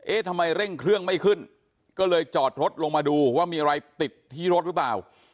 ทำไมเร่งเครื่องไม่ขึ้นก็เลยจอดรถลงมาดูว่ามีอะไรติดที่รถหรือเปล่า